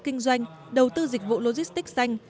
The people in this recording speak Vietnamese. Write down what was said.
kinh doanh đầu tư dịch vụ logistics xanh